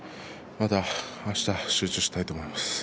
またあした集中したいと思います。